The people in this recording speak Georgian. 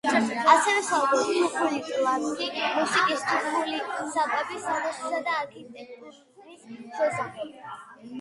ასევე საუბრობს თურქული „ტლანქი“ მუსიკის, თურქული საკვების, სამოსისა და არქიტექტურის შესახებ.